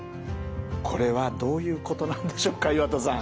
これはどういうことなんでしょうか岩田さん。